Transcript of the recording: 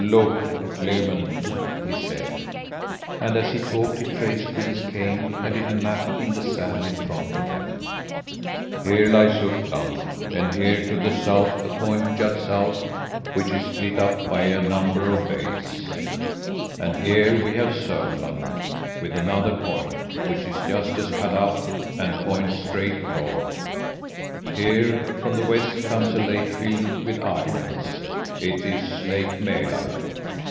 "Look, Clement!" he said, and as he talked he traced with his cane a little map in the sand in front of them. "Here lies Uppland, and here, to the south, a point juts out, which is split up by a number of bays. And here we have Sörmland with another point, which is just as cut up and points straight north. Here, from the west, comes a lake filled with islands: It is Lake Mälar.